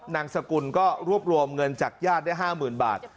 นางสกุลก็รวบรวมเงินจากญาติได้๕๐๐๐บาท